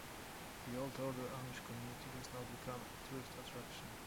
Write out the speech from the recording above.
The Old Order Amish community has now become a tourist attraction.